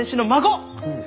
うん。